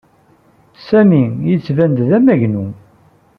Sami yettban-d d amagnu.